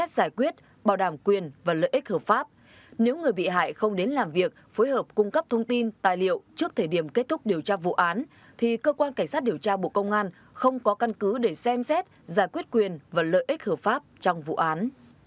giải quyết quyền và lợi ích hợp pháp nếu người bị hại không đến làm việc phối hợp cung cấp thông tin tài liệu trước thời điểm kết thúc điều tra vụ án thì cơ quan cảnh sát điều tra bộ công an không có căn cứ để xem xét giải quyết quyền và lợi ích hợp pháp trong vụ án